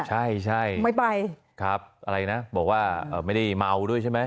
ใช่ใช่ไม่ไปครับอะไรนะบอกว่าไม่ได้เมาด้วยใช่ไหม